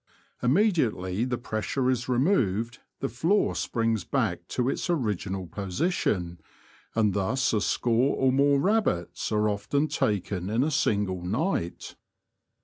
Immediately the pressure is removed the floor springs back to its original position, and thus a score or more rabbits are often taken in a single night.